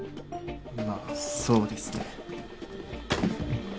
まあそうですね。